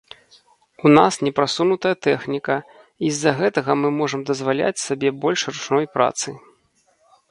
У нас непрасунутая тэхніка, і з-за гэтага мы можам дазваляць сабе больш ручной працы.